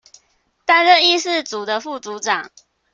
擔任議事組的副組長